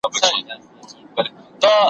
موږ غواړو يوسف عليه السلام هم راسره بوځو.